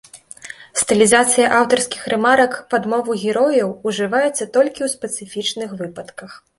Стылізацыя аўтарскіх рэмарак пад мову герояў ужываецца толькі ў спецыфічных выпадках.